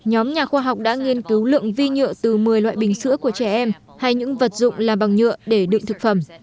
nhóm nhà khoa học đã nghiên cứu lượng vi nhựa từ một mươi loại bình sữa của trẻ em hay những vật dụng làm bằng nhựa để đựng thực phẩm